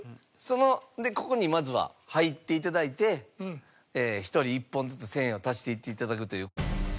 そのここにまずは入っていただいて１人１本ずつ線を足していっていただくという。